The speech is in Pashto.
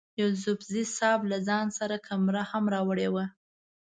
یوسفزي صیب له ځان سره کمره هم راوړې وه.